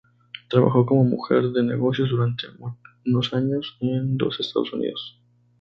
Trabajó como mujer de negocios durante unos años en los Estados Unidos.